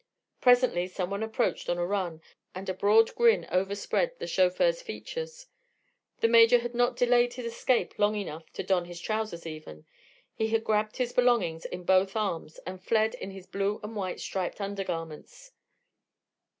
Presently some one approached on a run, and a broad grin overspread the chauffeur's features. The Major had not delayed his escape long enough to don his trousers even; he had grabbed his belongings in both arms and fled in his blue and white striped undergarments.